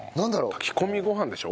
炊き込みごはんでしょ？